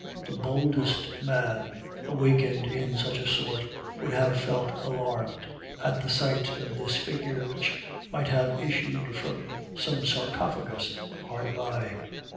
The boldest man, awakened in such a sort, would have felt alarmed at the sight of this figure, which might have issued from some sarcophagus hard by.